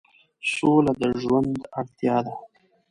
سوله د ژوند اړتیا ده.